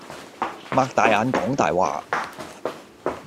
擘大眼講大話